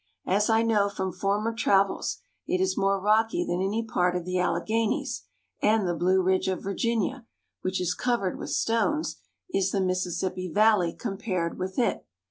As I know from former travels, it is more rocky than any part of the Alleghanies; and the Blue Ridge of Virginia, which is covered with stones, is the Mississippi Valley compared with it.